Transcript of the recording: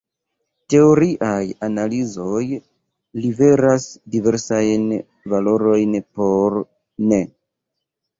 Teoriaj analizoj liveras diversajn valorojn por "n".